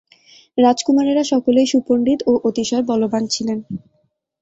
রাজকুমারেরা সকলেই সুপণ্ডিত ও অতিশয় বলবান ছিলেন।